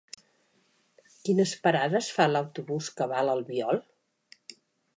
Quines parades fa l'autobús que va a l'Albiol?